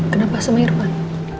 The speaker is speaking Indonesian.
kenapa sama irfan